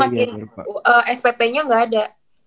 terus makin sppnya gak ada